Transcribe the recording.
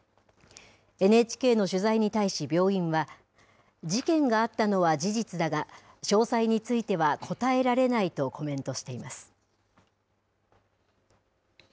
ＮＨＫの取材に対し病院は、事件があったのは事実だが、詳細については答えられないとコメントしています。